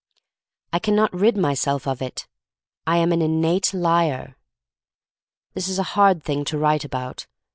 I can not rid myself of it. I am an innate liar. This is a hard thing to write about.